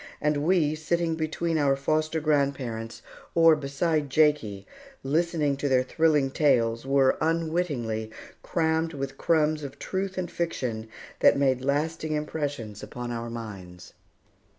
And we, sitting between our foster grandparents, or beside Jakie, listening to their thrilling tales, were, unwittingly, crammed with crumbs of truth and fiction that made lasting impressions upon our minds.